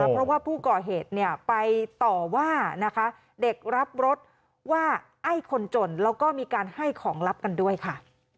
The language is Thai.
เพราะว่าผู้ก่อเหตุไปต่อว่านะคะเด็กรับรถว่าไอ้คนจนแล้วก็มีการให้ของลับกันด้วยค่ะ